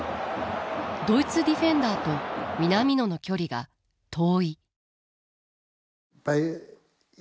ドイツディフェンダーと南野の距離が遠い。